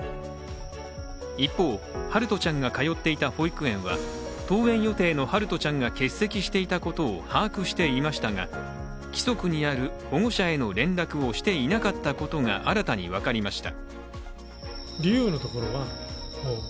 一方、陽翔ちゃんが通っていた保育園は登園予定の陽翔ちゃんが欠席していたことを把握していましたが規則にある保護者への連絡をしていなかったことが新たに分かりました。